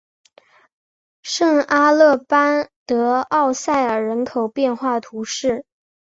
圣阿勒班德沃塞尔人口变化图示